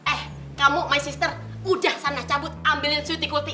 eh kamu my sister udah sana cabut ambilin sweetie cool tea